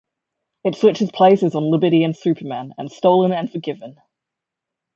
It switches places on Liberty and Superman, and Stolen and Forgiven.